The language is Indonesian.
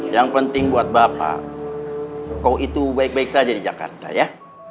yang penting buat bapak kau itu baik baik saja di jakarta ya